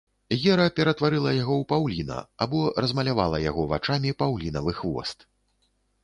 Гера ператварыла яго ў паўліна, або размалявала яго вачамі паўлінавы хвост.